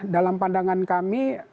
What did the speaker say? dalam pandangan kami